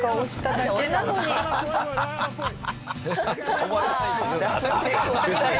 止まれない。